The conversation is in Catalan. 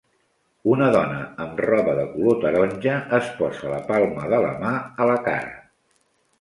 Una dona amb roba de color taronja es posa la palma de la mà a la cara.